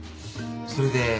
それで。